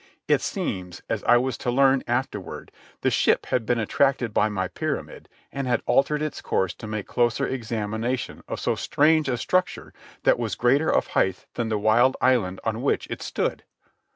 It seems, as I was to learn afterward, the ship had been attracted by my pyramid and had altered its course to make closer examination of so strange a structure that was greater of height than the wild island on which it stood.